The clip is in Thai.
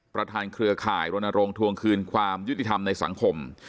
เครือข่ายรณรงค์ทวงคืนความยุติธรรมในสังคม